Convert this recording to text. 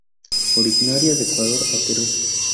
Originaria de Ecuador a Perú.